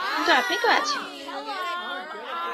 কিন্তু আপনি তো আছেন।